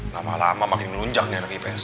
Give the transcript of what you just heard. lama lama makin melunjak nih anak ips